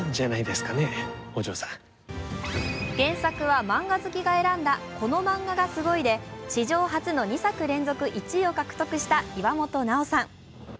原作は漫画好きが選んだこのマンガがすごい！で史上初の２作連続１位を獲得した岩本ナオさん。